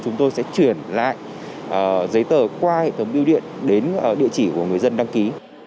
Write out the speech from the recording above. chúng tôi sẽ chuyển lại giấy tờ qua hệ thống biêu điện đến địa chỉ của người dân đăng ký